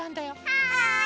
はい！